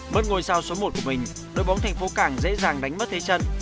mất ngôi sao số một của mình đội bóng thành phố cảng dễ dàng đánh mất thế chân